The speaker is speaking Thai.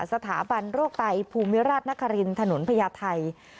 สถาบันโรคไตภูมิราชนครินถนนพญาไทย